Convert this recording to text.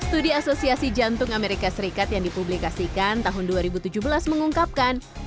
studi asosiasi jantung amerika serikat yang dipublikasikan tahun dua ribu tujuh belas mengungkapkan